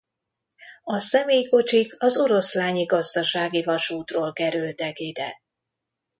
A személykocsik az Oroszlányi Gazdasági Vasútról kerültek ide.